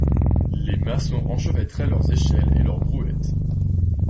Les maçons enchevêtraient leurs échelles et leurs brouettes.